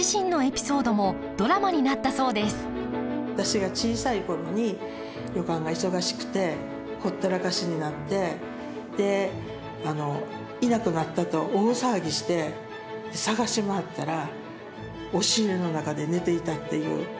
私が小さい頃に旅館が忙しくてほったらかしになってでいなくなったと大騒ぎして捜し回ったら押し入れの中で寝ていたっていう。